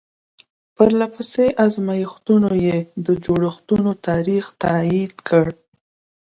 پرله پسې ازمایښتونو یې د جوړښتونو تاریخ تایید کړ.